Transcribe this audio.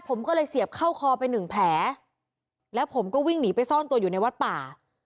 ผมก็เลยเสียบเข้าคอไปหนึ่งแผลแล้วผมก็วิ่งหนีไปซ่อนตัวอยู่ในวัดป่า